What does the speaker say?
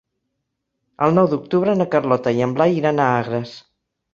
El nou d'octubre na Carlota i en Blai iran a Agres.